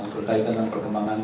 berkaitan dengan perkembangan